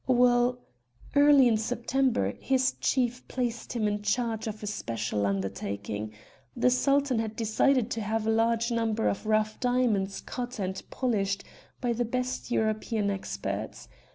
"Well, early in September, his chief placed him in charge of a special undertaking. The Sultan had decided to have a large number of rough diamonds cut and polished by the best European experts.